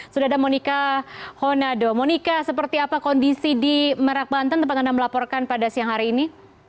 sudah ada monika honado monika seperti apa kondisi di merak banten tempat anda melaporkan pada siang hari ini